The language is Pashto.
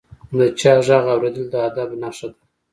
د چا ږغ اورېدل د ادب نښه ده.